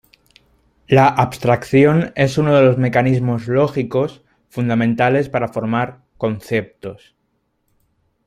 La abstracción es uno de los mecanismos lógicos fundamentales para formar "conceptos".